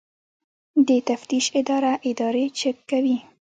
د تفتیش اداره ادارې چک کوي